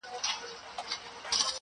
یوه ورځ چي سوه تیاره وخت د ماښام سو!!